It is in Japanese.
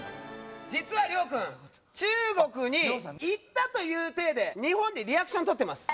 実は亮君中国に行ったという体で日本でリアクション取ってます。